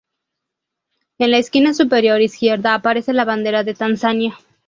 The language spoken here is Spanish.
En la esquina superior izquierda aparece la bandera de Tanzania.